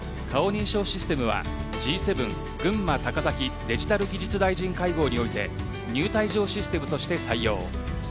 顔認証システムはＧ７群馬高崎デジタル・技術大臣会合において入退場システムとして対応。